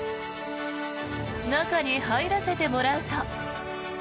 中に入らせてもらうと。